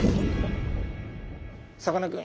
さかなクン。